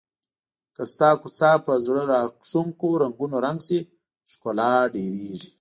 که ستاسو کوڅه په زړه راښکونکو رنګونو رنګ شي ښکلا ډېریږي.